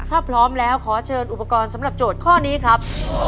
ถ้าพร้อมแล้วขอเชิญอุปกรณ์สำหรับโจทย์ข้อนี้ครับ